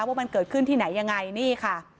ว่ามันเกิดขึ้นที่ไหนยังไงนี่ค่ะ